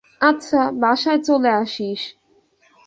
আচ্ছা, বাসায় চলে আসিস।